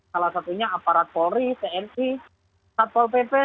salah satunya aparat polri tni satpol pp